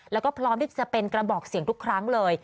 แล้วก็พร้อมที่จะเป็นกระบอกเสียงทุกครั้งเลย